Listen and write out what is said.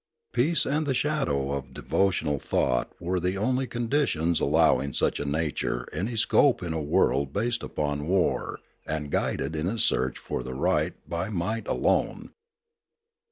Peace and the shadow of de votional thought were the only conditions allowing such a nature any scope in a world based upon war and guided in its search for the right by might alone.